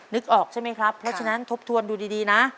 นึกออกใช่ไหมครับเพราะฉะนั้นทบทวนดูดีนะ